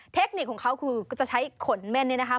เทคนิคของเขาคือจะใช้ขนแม่นเนี่ยนะคะ